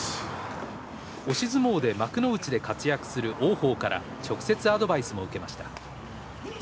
押し相撲で幕内で活躍する王鵬から直接アドバイスも受けました。